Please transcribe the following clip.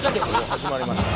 「始まりました」